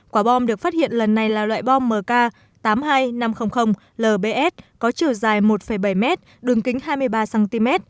quả bom được phát hiện lần này là loại bom mk tám mươi hai nghìn năm trăm linh lbs có chiều dài một bảy m đường kính hai mươi ba cm